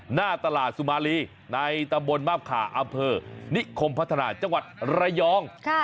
หน้าตลาดสุมารีในตำบลมาบขาอำเภอนิคมพัฒนาจังหวัดระยอง